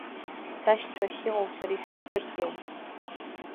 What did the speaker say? Сашьцәа ахьыҟоу сара исыздырӡом!